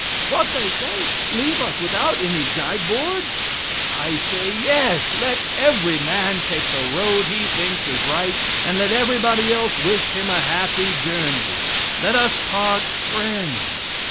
"What," they say, "leave us without any guide boards?" I say: "Yes. Let every man take the road he thinks is right; and let everybody else wish him a happy journey; let us part friends."